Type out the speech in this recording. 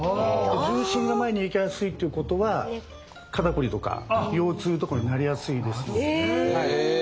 重心が前にいきやすいっていうことは肩こりとか腰痛とかになりやすいです。え。